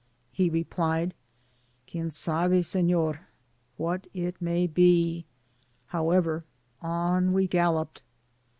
He repUed, ^^ Quien sabe,— •Sefior, what it may be;" however, on we galloped.